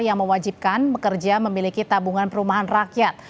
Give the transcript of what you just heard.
yang mewajibkan bekerja memiliki tabungan perumahan rakyat